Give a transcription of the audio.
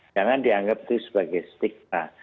jangan dianggap itu sebagai stigma